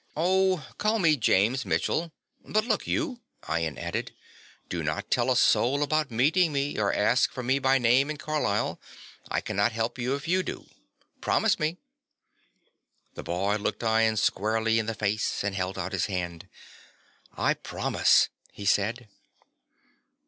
"Oh, call me James Mitchell; but look you," Ian added, "do not tell a soul about meeting me or ask for me by name in Carlisle. I cannot help you if you do. Promise me." The boy looked Ian squarely in the face and held out his hand. "I promise," he said.